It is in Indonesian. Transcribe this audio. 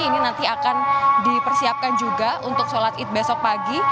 ini nanti akan dipersiapkan juga untuk sholat id besok pagi